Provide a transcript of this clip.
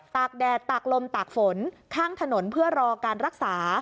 กแดดตากลมตากฝนข้างถนนเพื่อรอการรักษา